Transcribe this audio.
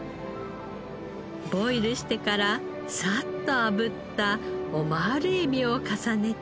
ボイルしてからサッとあぶったオマールエビを重ねて。